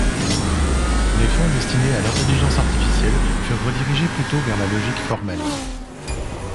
Les fonds destinés à l’intelligence artificielle furent redirigés plutôt vers la logique formelle.